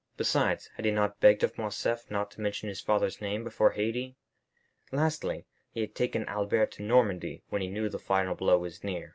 Besides, had he not begged of Morcerf not to mention his father's name before Haydée? Lastly, he had taken Albert to Normandy when he knew the final blow was near.